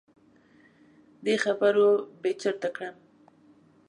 دې خبرو بې چرته کړم.